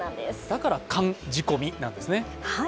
だから寒仕込みなんですね。